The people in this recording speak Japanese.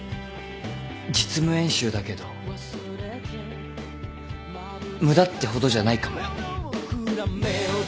実務演習だけど無駄ってほどじゃないかもよ。